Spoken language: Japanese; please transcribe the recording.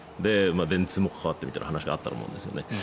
電通も関わってみたいな話があったと思うんですね。